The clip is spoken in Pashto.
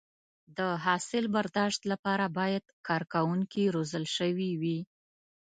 د حاصل برداشت لپاره باید کارکوونکي روزل شوي وي.